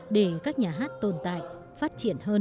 để các nhà hát tồn tại phát triển hơn